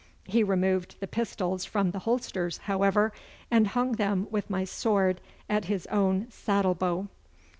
He removed the pistols from the holsters, however, and hung them with my sword at his own saddle bow.